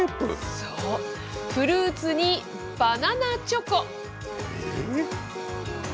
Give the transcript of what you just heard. そう、フルーツにバナナチョコ。